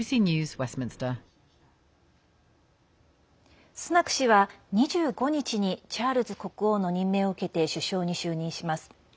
スナク氏は２５日にチャールズ国王の任命を受けて首相に就任します。